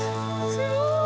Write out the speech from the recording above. すごい！